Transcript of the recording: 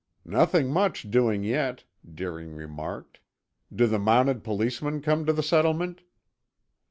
"Nothing much doing yet," Deering remarked. "Do the mounted policemen come to the settlement?"